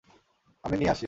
আমি নিয়ে আসছি।